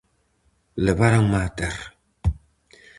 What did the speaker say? Leváronme á terra.